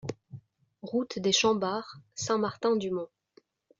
Route des Chambards, Saint-Martin-du-Mont